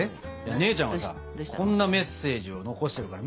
姉ちゃんがさこんなメッセージを残してるから。